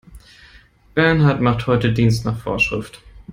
Bernhard macht heute Dienst nach Vorschrift.